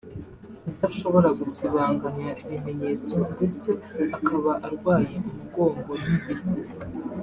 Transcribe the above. adashobora gusibanganya ibimenyetso ndetse akaba arwaye umugongo n’igifu